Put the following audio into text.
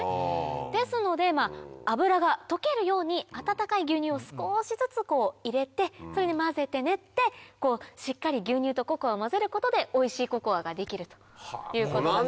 ですので脂が溶けるように温かい牛乳を少しずつ入れてそれで混ぜて練ってしっかり牛乳とココアを混ぜることでおいしいココアができるということなんです。